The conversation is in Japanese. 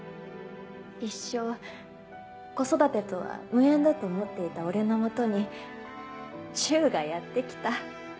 「一生子育てとは無縁だと思っていた俺の元に柊がやって来た。